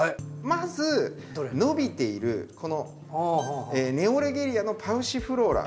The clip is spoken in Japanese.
まず伸びているこのネオレゲリアのパウシフローラ。